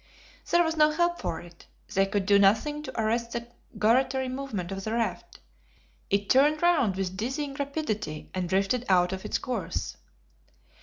There was no help for it; they could do nothing to arrest the gyratory movement of the raft; it turned round with dizzying rapidity, and drifted out of its course.